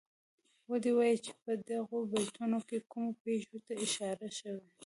ودې وايي چه په دغو بیتونو کې کومو پېښو ته اشاره شوې.